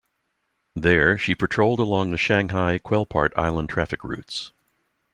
There, she patrolled along the Shanghai-Quelpart Island traffic routes.